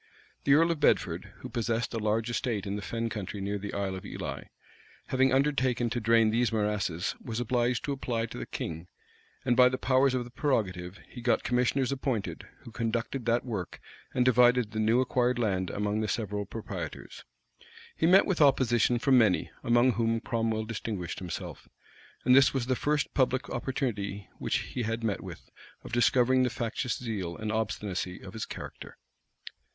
The earl of Bedford, who possessed a large estate in the fen country near the Isle of Ely, having undertaken to drain these morasses, was obliged to apply to the king; and by the powers of the prerogative, he got commissioners appointed, who conducted that work, and divided the new acquired land among the several proprietors. He met with opposition from many, among whom Cromwell distinguished himself; and this was the first public opportunity which he had met with, of discovering the factious zeal and obstinacy of his character.